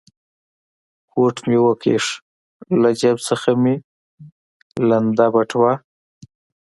کوټ مې و کښ، له جېب څخه مې لوند بټوه.